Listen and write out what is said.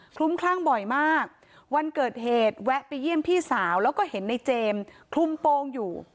ลุ้มคลั่งบ่อยมากวันเกิดเหตุแวะไปเยี่ยมพี่สาวแล้วก็เห็นในเจมส์คลุมโปรงอยู่